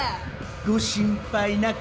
ご心配なく。